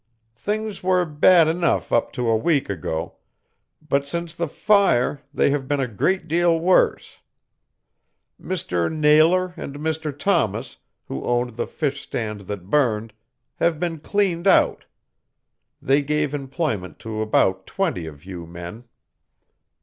Things were bad enough up to a week ago, but since the fire they have been a great deal worse. Mr. Nailor and Mr. Thomas, who owned the fish stand that burned, have been cleaned out. They gave employment to about twenty of you men.